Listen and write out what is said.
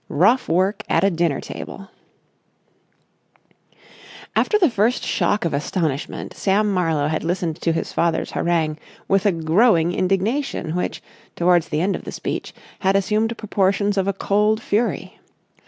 ROUGH WORK AT A DINNER TABLE § 1 After the first shock of astonishment, Sam Marlowe had listened to his father's harangue with a growing indignation which, towards the end of the speech, had assumed proportions of a cold fury.